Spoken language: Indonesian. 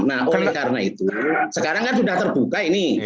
nah oleh karena itu sekarang kan sudah terbuka ini